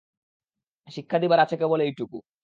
শিক্ষা দিবার আছে কেবল এইটুকু।